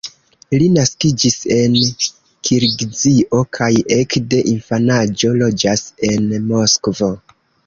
Li naskiĝis en Kirgizio, kaj ekde infanaĝo loĝas en Moskvo.